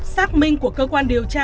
xác minh của cơ quan điều tra